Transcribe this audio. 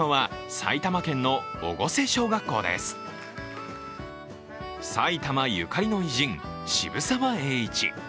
埼玉ゆかりの偉人、渋沢栄一。